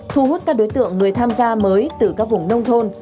thu hút các đối tượng người tham gia mới từ các vùng nông thôn